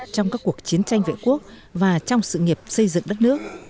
trong các cuộc chiến tranh vệ quốc và trong sự nghiệp xây dựng đất nước